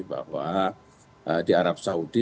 bahwa di arab saudi